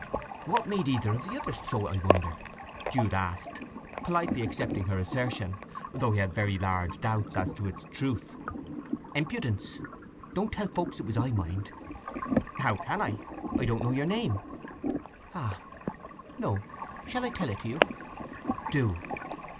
"What made either of the others throw it, I wonder?" Jude asked, politely accepting her assertion, though he had very large doubts as to its truth. "Impudence. Don't tell folk it was I, mind!" "How can I? I don't know your name." "Ah, no. Shall I tell it to you?" "Do!"